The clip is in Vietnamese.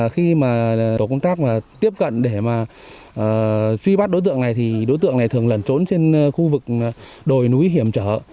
khi mà tổ công tác mà tiếp cận để mà truy bắt đối tượng này thì đối tượng này thường lẩn trốn trên khu vực đồi núi hiểm trở